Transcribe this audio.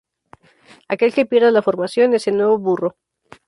Aquel que pierda la formación es el nuevo burro.